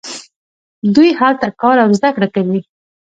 دوی هلته کار او زده کړه کوي.